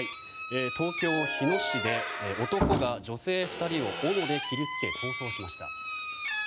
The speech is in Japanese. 東京・日野市で男が女性２人をおので切りつけ、逃走しました。